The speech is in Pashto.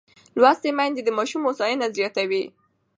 لوستې میندې د ماشوم هوساینه زیاتوي.